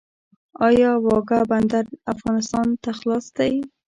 آیا واګه بندر افغانستان ته خلاص دی؟